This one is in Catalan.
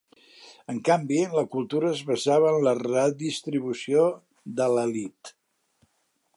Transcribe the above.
En canvi, la cultura es basava en la redistribució de l'elit.